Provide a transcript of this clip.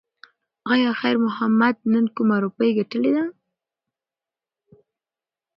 ایا خیر محمد نن کومه روپۍ ګټلې ده؟